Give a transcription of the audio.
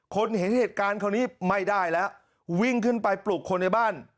เห็นเหตุการณ์คราวนี้ไม่ได้แล้ววิ่งขึ้นไปปลุกคนในบ้าน